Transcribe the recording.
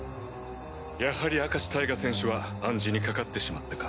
やはり明石タイガ選手は暗示にかかってしまったか。